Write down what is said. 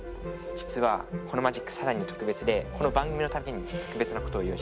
実はこのマジック更に特別でこの番組のために特別なことを用意したんです。